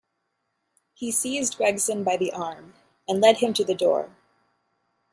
He seized Gregson by the arm and led him to the door.